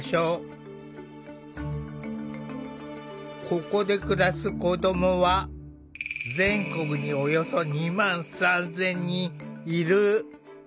ここで暮らす子どもは全国におよそ２万３，０００人いる。